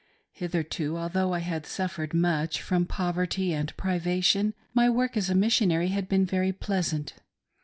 Hitherto, although I had suffered much from poverty and privation, my work as a Missionary had been very pleasant.'